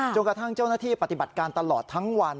กระทั่งเจ้าหน้าที่ปฏิบัติการตลอดทั้งวัน